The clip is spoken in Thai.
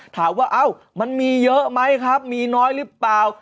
ถามว่าเอ้ามันมีเยอะไหมครับมีน้อยหรือเปล่า